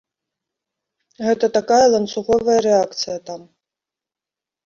Гэта такая ланцуговая рэакцыя там.